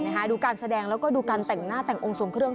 ดูการแสดงแล้วก็ดูการแต่งหน้าแต่งองค์ทรงเครื่อง